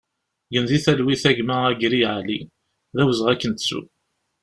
Gen di talwit a gma Agri Ali, d awezɣi ad k-nettu!